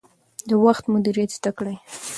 د وخت مدیریت زده کړئ.